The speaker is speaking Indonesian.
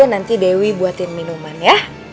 nanti dewi buatin minuman ya